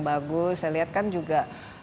bagus saya lihat kan juga